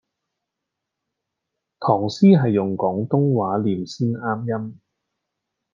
唐詩係用廣東話唸先啱音